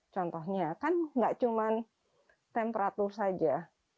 contohnya kan nggak cuma temperatur saja